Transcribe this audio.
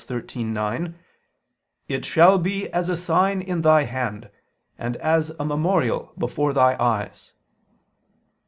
13:9): "It shall be as a sign in thy hand, and as a memorial before thy eyes."